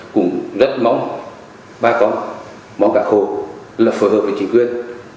cũng rất mong bà con mong cả khổ lập phối hợp với chính quyền